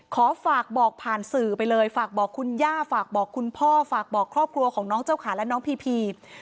ขอฝากบอกผ่านสื่อไปเลยฝากบอกคุณย่าฝากบอกคุณพ่อฝากบอกครอบครัวของน้องเจ้าขาและน้องพีพี